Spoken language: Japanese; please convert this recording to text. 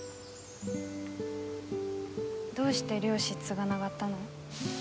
どうして漁師継がながったの？